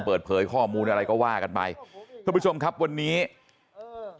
เปิดเผยข้อมูลอะไรก็ว่ากันไปทุกผู้ชมครับวันนี้อ่า